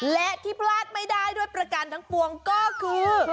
และที่พลาดไม่ได้ด้วยประกันทั้งปวงก็คือ